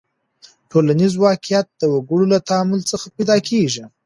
ټولنیز واقعیت د وګړو له تعامل څخه پیدا کېږي.